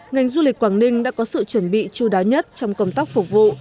ngành du lịch quảng ninh đã có sự chuẩn bị chú đáo nhất trong công tác phục vụ